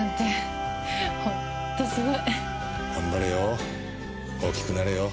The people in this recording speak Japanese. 頑張れよ。